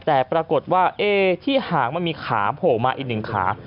แต่ปรากฏว่าที่หางมันมีขาโผล่มาอีกหนึ่งขา